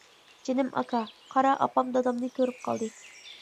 جېنىم ئاكا، قارا ئاپام دادامنى كۆرۈپ قالدى.